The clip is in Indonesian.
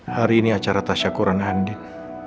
hari ini acara tasya kuran andin